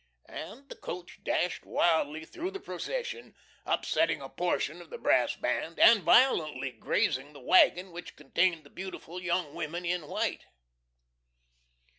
and the coach dashed wildly through the procession, upsetting a portion of the brass band, and violently grazing the wagon which contained the beautiful young women in white.